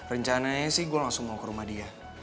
rencananya sih gue langsung mau ke rumah dia